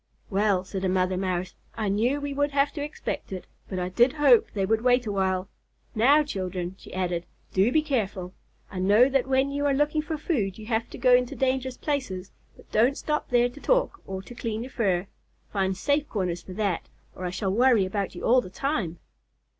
"Well," said a mother Mouse, "I knew we would have to expect it, but I did hope they would wait a while. Now, children," she added, "do be careful! I know that when you are looking for food you have to go into dangerous places, but don't stop there to talk or to clean your fur. Find safe corners for that, or I shall worry about you all the time."